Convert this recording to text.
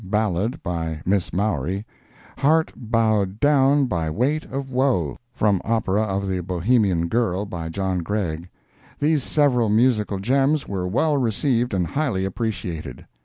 ballad, by Miss Mowry; "Heart Bowed Down by Weight of Woe," from opera of "The Bohemian Girl," by John Gregg. These several musical gems were well received and highly appreciated.